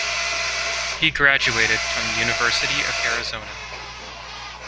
He graduated from the University of Arizona.